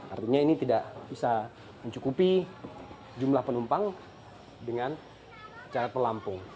artinya ini tidak bisa mencukupi jumlah penumpang dengan cara pelampung